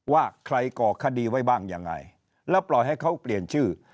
ว่าใครก่อคดีไว้บ้างยังไงแล้วปล่อยให้เขาเปลี่ยนชื่อ